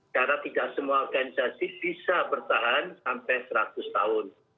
karena tidak semua organisasi bisa bertahan sampai seratus tahun